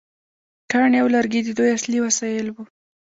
کاڼي او لرګي د دوی اصلي وسایل وو.